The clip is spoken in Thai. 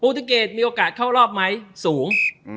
ติเกตมีโอกาสเข้ารอบไหมสูง